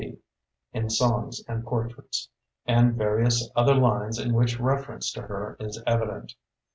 B." (in "Songs and Portraits"), and various other lines in which reference to her is evident.